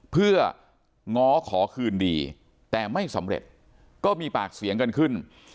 เพื่อง้อขอคืนดีแต่ไม่สำเร็จก็มีปากเสียงกันขึ้น